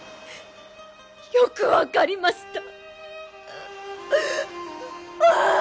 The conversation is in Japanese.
よく分かりました！